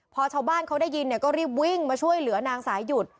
พอชาวบ้านเขาได้ยินก็รีบวิ่งมาช่วยเหลือนางสายหยุด